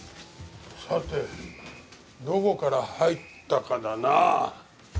さてどこから入ったかだな。